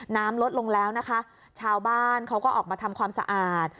น้ำลดลงแล้วนะคะชาวบ้านเขาก็ออกมาทำความสะอาด